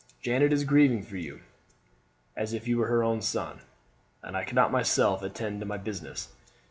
Janet is grieving for you as if you were her own son, and I cannot myself attend to my business.